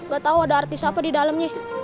gatau ada artis apa di dalamnya